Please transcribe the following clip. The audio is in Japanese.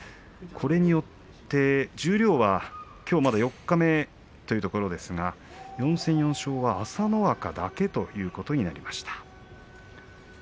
これによって十両はまだ四日目というところですが４戦４勝は朝乃若だけということになりました。